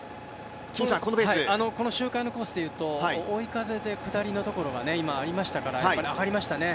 この周回のペースでいうと追い風で下りのところが今、ありましたから、やはり上がりましたね。